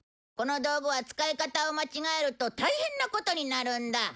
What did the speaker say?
この道具は使い方を間違えると大変なことになるんだ。